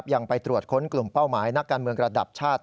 ยังไปตรวจค้นกลุ่มเป้าหมายนักการเมืองระดับชาติ